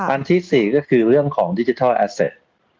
อันที่๔ก็คือเรื่องของดิจิทัลอาเซต